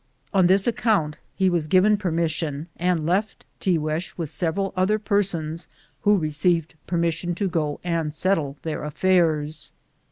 On this account be was given permission, and left Tiguex with several other persons who re ceived permission to go and settle their affairs.